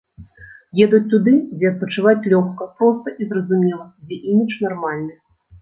Едуць туды, дзе адпачываць лёгка, проста і зразумела, дзе імідж нармальны.